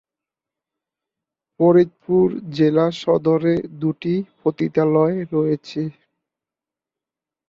ফরিদপুর জেলা সদরে দুটি পতিতালয় রয়েছে।